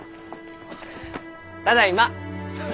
ただいま！